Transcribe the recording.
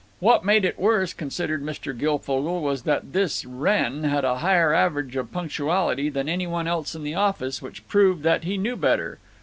What made it worse, considered Mr. Guilfogle, was that this Wrenn had a higher average of punctuality than any one else in the office, which proved that he knew better.